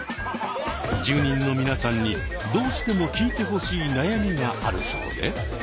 住人の皆さんにどうしても聞いてほしい悩みがあるそうで。